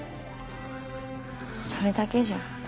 それだけじゃ。